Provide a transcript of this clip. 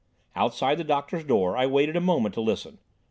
Outside the doctor's door I waited a moment to listen.